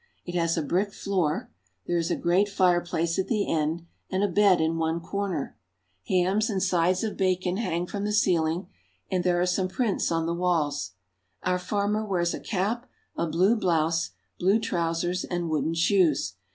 It has a brick floor ; there is a great fireplace at the end and a bed in one corner. Hams and sides of bacon hang from the ceiling, and there are some prints on the walls. Our farmer wears a cap, a blue blouse, blue trousers, and wooden shoes.